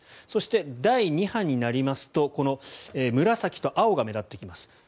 そして第２波になりますとこの紫と青が目立ってきます。